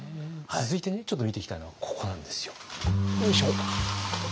続いてちょっと見ていきたいのはここなんですよ。よいしょ。